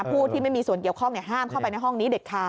ผู้ที่ไม่มีส่วนเกี่ยวข้องห้ามเข้าไปในห้องนี้เด็ดขาด